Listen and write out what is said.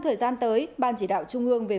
thời gian tới ban chỉ đạo trung ương về